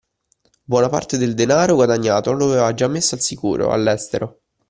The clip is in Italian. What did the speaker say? Buona parte del denaro guadagnato lo aveva già messo al sicuro, all'estero.